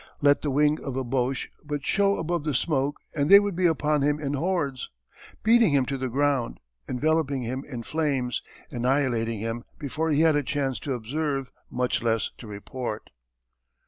Let the wing of a Boche but show above the smoke and they would be upon him in hordes, beating him to the ground, enveloping him in flames, annihilating him before he had a chance to observe, much less to report.